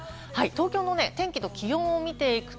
東京の天気と気温を見ていきます。